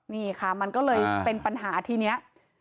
นี่ค่ะมันก็เลยเป็นปัญหาทีนี้